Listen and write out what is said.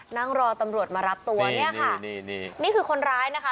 นั่งรอตำรวจมารับตัวเนี่ยค่ะนี่นี่นี่คือคนร้ายนะคะ